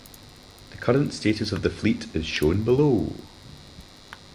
The current status of the fleet is shown below.